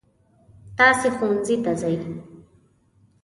تاسې ښوونځي ته ځئ.